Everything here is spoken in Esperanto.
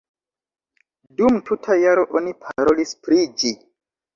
Dum tuta jaro oni parolis pri ĝi.